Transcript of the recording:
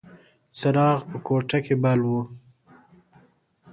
څراغ په کوټه کې بل و.